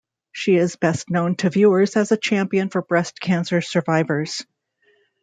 She is best known to viewers as a champion for breast cancer survivors.